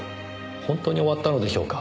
本当に終わったのでしょうか？